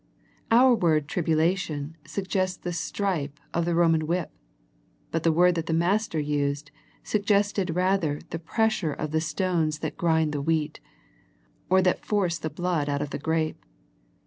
Our word tribulation suggests the stripe of the Roman whip, but the word that the Master used, sug gested rather the pressure of the stones that grind the wheat, or that force the blood out of the grape.